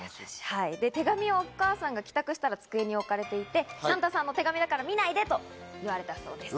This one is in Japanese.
で、手紙をお母さんが帰宅したら机に置かれていてサンタさんへの手紙だから見ないでと言われたそうです。